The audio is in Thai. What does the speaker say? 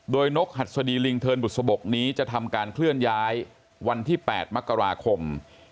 โดยนกหัดสดีลิงเทินบุษบกนี้จะทำการเคลื่อนย้ายวันที่๘มกราคม